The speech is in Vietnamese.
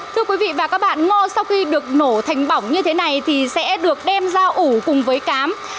thưa quý vị và các bạn ngô sau khi được nổ thành bỏng như thế này thì sẽ được đem ra ủ cùng với cám